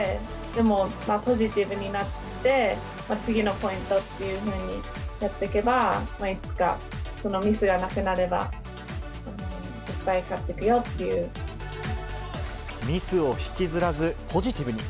でも、ポジティブになって、次のポイントっていうふうに、やっていけば、いつかそのミスがなくなれば、ミスを引きずらず、ポジティブに。